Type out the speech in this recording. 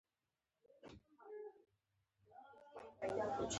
یوه برخه خو به یې حل کوله.